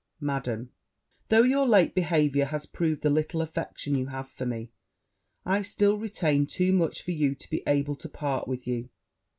Madam, Though your late behaviour has proved the little affection you have for me, I still retain too much for you to be able to part with you.